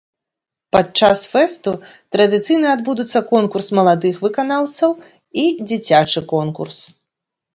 Падчас фэсту традыцыйна адбудуцца конкурс маладых выканаўцаў і дзіцячы конкурс.